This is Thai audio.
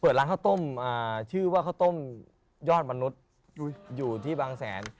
ร้านข้าวต้มชื่อว่าข้าวต้มยอดมนุษย์อยู่ที่บางแสน